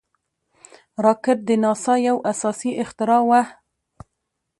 راکټ د ناسا یو اساسي اختراع وه